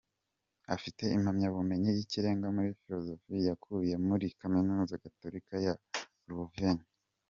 Afite impamyabumenyi y’Ikirenga muri ‘Philosophie’ yakuye muri Kaminuza Gatolika ya Louvain.